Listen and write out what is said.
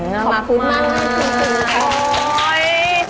ขอบคุณมากขอโทษ